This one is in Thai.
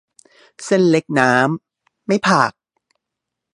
เส้นเล็กน้ำ ไม่ผัก